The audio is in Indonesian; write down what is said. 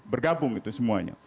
bergabung itu semuanya